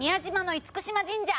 嚴島神社。